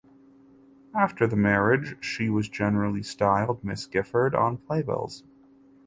After the marriage she was generally styled Mrs Giffard on playbills.